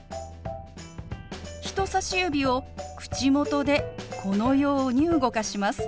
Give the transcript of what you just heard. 人さし指を口元でこのように動かします。